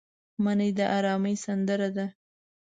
منی د ارامۍ سندره ده